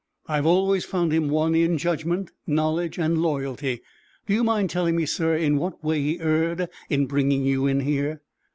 I've always found him one, in judgment, knowledge and loyalty. Do you mind telling me, sir, in what way he erred in bringing you in here?"